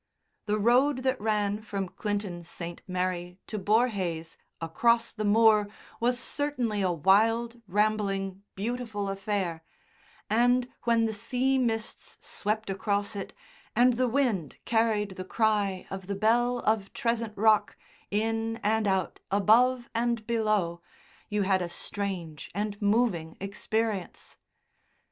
The road that ran from Clinton St. Mary to Borhaze across the moor was certainly a wild, rambling, beautiful affair, and when the sea mists swept across it and the wind carried the cry of the Bell of Trezent Rock in and out above and below, you had a strange and moving experience.